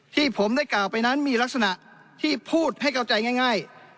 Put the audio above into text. ที่ผมได้กล่าวไปนั้นมีลักษณะที่พูดให้เข้าใจง่าย